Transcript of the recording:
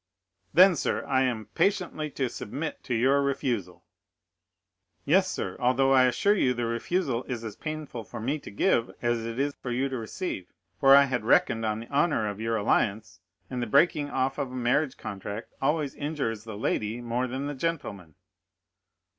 "Then, sir, I am patiently to submit to your refusal?" "Yes, sir, although I assure you the refusal is as painful for me to give as it is for you to receive, for I had reckoned on the honor of your alliance, and the breaking off of a marriage contract always injures the lady more than the gentleman."